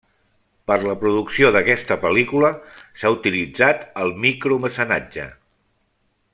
Per la producció d'aquesta pel·lícula s'ha utilitzat el micromecenatge.